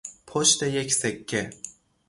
پشت یک سکه